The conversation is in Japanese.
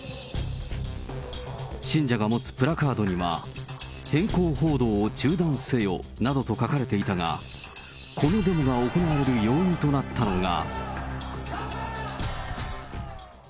信者が持つプラカードには、偏向報道を中断せよなどと書かれていたが、このデモが行われる要因となったのが。